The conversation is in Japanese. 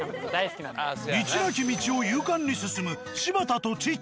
道なき道を勇敢に進む柴田とチッチ。